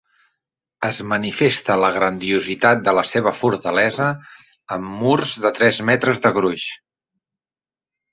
Es manifesta la grandiositat de la seva fortalesa amb murs de tres metres de gruix.